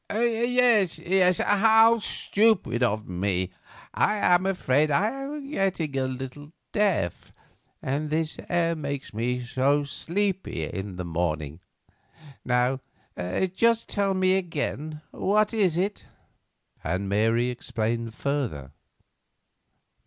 "Yes, yes; how stupid of me! I am afraid I am getting a little deaf, and this air makes me so sleepy in the morning. Now, just tell me again, what is it?" Mary explained further.